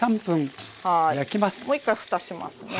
もう一回ふたしますね。